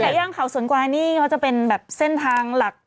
ไก่ย่างข่าวสวนกวางนี่ก็จะเป็นแบบเส้นทางหลัก